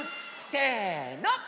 せの！